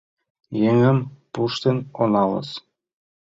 Еҥым пуштын оналыс.